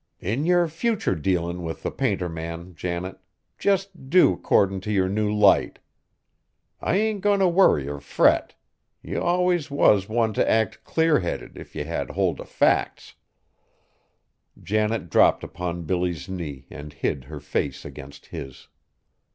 "In yer future dealin' with the painter man, Janet, jest do 'cordin' to yer new light. I ain't goin' t' worry or fret. Ye allus was one t' act clear headed if ye had hold o' facts." Janet dropped upon Billy's knee and hid her face against his.